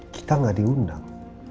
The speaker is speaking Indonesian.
kita gak diundang